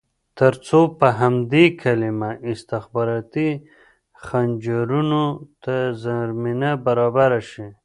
ترڅو په همدې کلمه استخباراتي خنجرونو ته زمینه برابره شي.